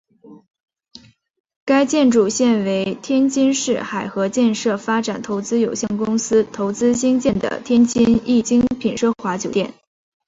该建筑现为天津市海河建设发展投资有限公司投资兴建的天津易精品奢华酒店。